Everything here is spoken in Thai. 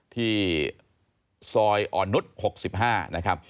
ที่ซอยอ่อนนุษย์๖๕